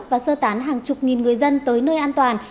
và sơ tán hàng chục nghìn người dân tới nơi an toàn